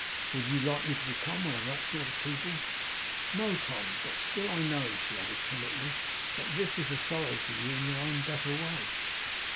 Would you like me to become one of that sort of people?' 'No, Tom. But still I know,' she added timidly, 'that this is a sorrow to you in your own better way.